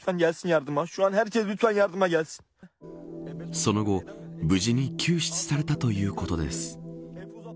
その後、無事に救出されたということです。